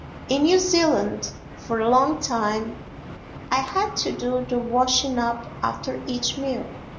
In New Zealand for a long time I had to do the washing up after each meal.